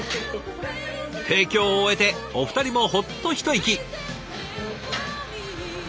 提供を終えてお二人もほっと一息！